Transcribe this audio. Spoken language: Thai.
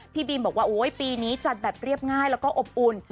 พี่บีมบอกว่าโอ๊ยปีนี้จัดแบบเรียบง่ายแล้วก็อบอุ่น